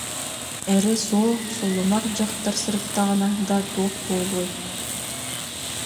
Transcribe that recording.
Эрэ суох, сулумах дьахтар сырыттаҕына да туох буолуой